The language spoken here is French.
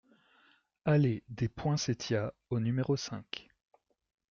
Allée des Poinsettias au numéro cinq